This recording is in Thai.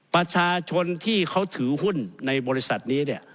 ประชาชนที่เขาถือหุ้นในบริษัทนี้เนี่ย